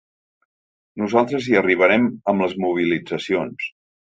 Nosaltres hi arribarem amb les mobilitzacions.